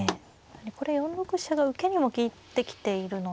これ４六飛車が受けにも利いてきているので。